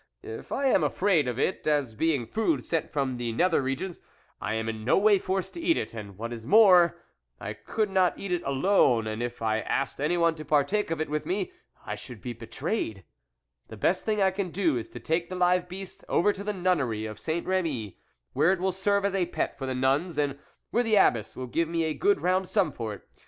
If I am afraid of it as being food sent from the nether regions, I am in no way forced to eat it, and what is more, I could not eat it alone, and if I asked anyone to partake of it with me, 1 should be betrayed ; the best thing I can do is to take the live beast over to the Nunnery of Saint R6my, where it will serve as a pet for the Nuns and where the Abbess will give me a good round sum for it.